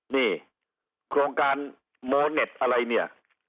นี่โครงการโมเน็ตอะไรเนี่ย